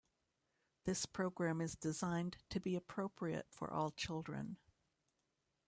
This program is designed to be appropriate for all children.